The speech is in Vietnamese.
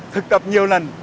thực tập nhiều lần